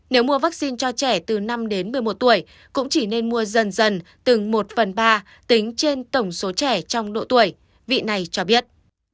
nếu mua vaccine cho trẻ từ năm đến một mươi một tuổi cũng chỉ nên mua dần dần từng một phần ba tính trên tổng số trẻ trong độ tuổi vị này cho biết